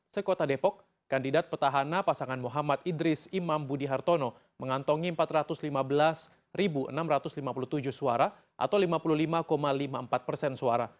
sekota depok kandidat petahana pasangan muhammad idris imam budi hartono mengantongi empat ratus lima belas enam ratus lima puluh tujuh suara atau lima puluh lima lima puluh empat persen suara